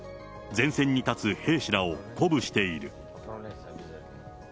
前線に立つ兵士らを鼓舞している。